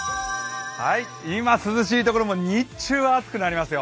今、涼しいところも日中は暑くなりますよ。